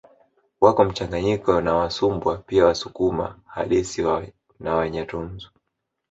Wako mchanganyiko na Wasumbwa pia na Wasukuma halisi na Wanyantuzu